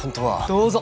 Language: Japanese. どうぞ。